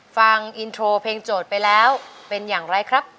ฟังอินโทรเพลงโจทย์ไปแล้วเป็นอย่างไรครับ